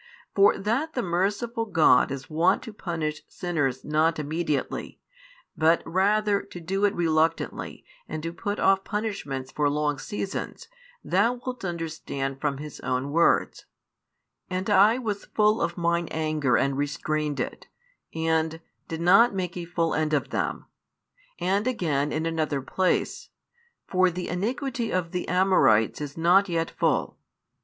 For that the merciful God is wont to punish sinners not immediately, but rather to do it reluctantly and to put off punishments for long seasons, thou wilt understand from His own words: And I was full of Mine anger and restrained it, and: did not make a full end of them. And again in another place: For the iniquity of the Amorites is not yet full.